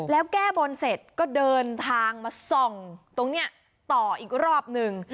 แล้วแก้บนเสร็จก็เดินทางมาส่องตรงนี้ต่ออีกรอบหนึ่ง